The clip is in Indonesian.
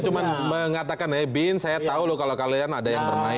jadi maksudnya cuma mengatakan ya bin saya tahu loh kalau kalian ada yang bermain